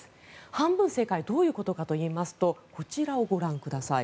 半分正解どういうことかといいますとこちらをご覧ください。